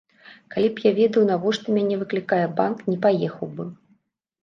Калі б я ведаў, навошта мяне выклікае банк, не паехаў бы.